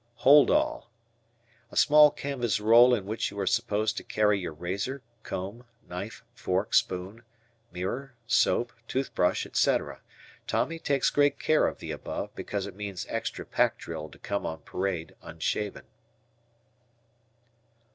"Hold all." A small canvas roll in which you are supposed to carry your razor, comb, knife, fork, spoon, mirror, soap, tooth brush, etc. Tommy takes great care of the above, because it means extra pack drill to come on parade unshaven.